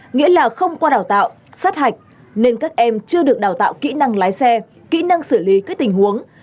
nghĩa là không qua đào tạo sát hạch nên các em chưa được đào tạo kỹ năng lái xe kỹ năng xử lý các tình huống